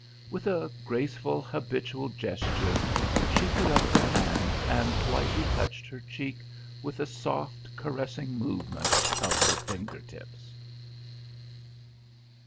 With a graceful, habitual gesture she put up her hand and lightly touched her cheek with a soft, caressing movement of her finger tips.